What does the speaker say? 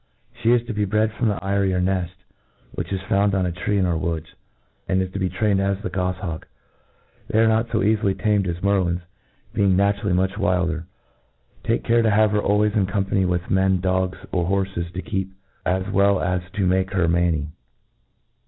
She is to be bred from the eyrie or neft, which is found on a tree in our woods ; and is to be trained as the gofliawk. They are not fo calily tamed as merlins, being naturally much wilder. Take care to have her always in com pany with men, dogs, or horfes, to keep, as well as to make her manny.